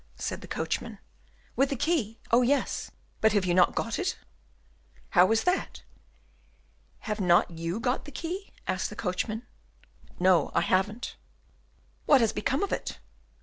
said the coachman. "With the key! Oh, yes! but if you have not got it?" "How is that? Have not you got the key?" asked the coachman. "No, I haven't." "What has become of it?"